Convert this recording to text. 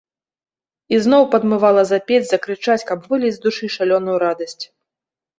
І зноў падмывала запець, закрычаць, каб выліць з душы шалёную радасць.